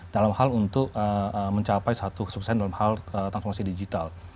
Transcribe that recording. dalam hal untuk mencapai satu kesuksesan dalam hal transformasi digital